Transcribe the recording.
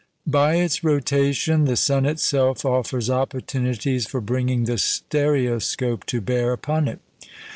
By its rotation the sun itself offers opportunities for bringing the stereoscope to bear upon it.